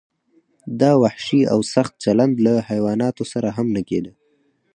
دا وحشي او سخت چلند له حیواناتو سره هم نه کیده.